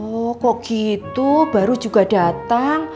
oh kok gitu baru juga datang